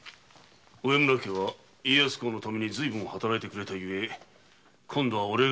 植村家は家康公のためにずいぶんと働いてくれたゆえ今度はおれが力を貸したいと思う。